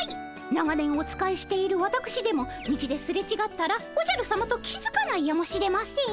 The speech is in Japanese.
長年お仕えしているわたくしでも道ですれちがったらおじゃるさまと気付かないやもしれません。